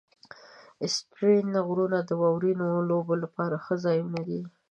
آسټرین غرونه د واورینو لوبو لپاره ښه ځایونه دي.